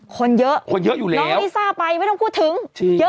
คนเยอะคนเยอะอยู่แล้วน้องลิซ่าไปไม่ต้องพูดถึงเยอะ